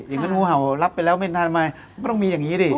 อย่างนั้นงูเห่ารับไปแล้วไม่นานมามันก็ต้องมีอย่างนี้ดิ